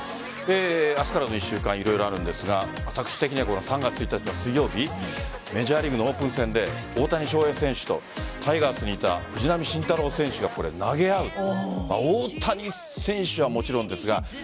明日からの１週間色々あるんですが私的には３月１日の水曜日メジャーリーグのオープン戦で大谷翔平選手とタイガースにいた藤浪晋太郎選手が投げ合うと。